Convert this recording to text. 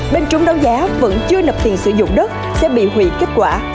bên trúng đấu giá vẫn chưa lập tiền sử dụng đất sẽ bị hủy kết quả